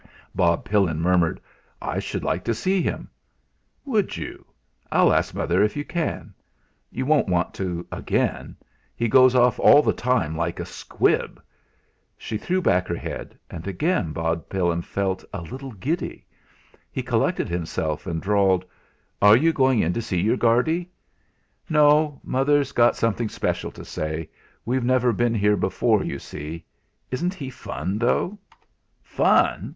Bob Pillin murmured: "I should like to see him." "Would you? I'll ask mother if you can. You won't want to again; he goes off all the time like a squib." She threw back her head, and again Bob Pillin felt a little giddy. He collected himself, and drawled: "Are you going in to see your Guardy?" "No. Mother's got something special to say. We've never been here before, you see. Isn't he fun, though?" "Fun!"